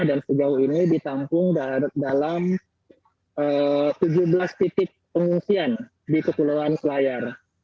dan sejauh ini ditampung dalam tujuh belas titik pengungsian di kepulauan selayar